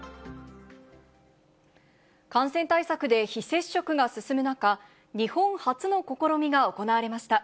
感染対策で、非接触が進む中、日本初の試みが行われました。